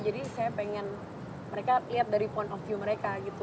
jadi saya pengen mereka lihat dari point of view mereka gitu